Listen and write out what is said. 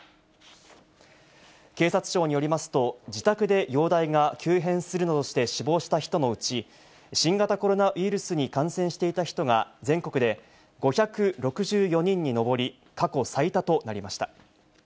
警察庁によりますと、自宅で容体が急変するなどして死亡した人のうち、新型コロナウイルスに感染していた人が、全国で５６４人に上り、過去最多となりました。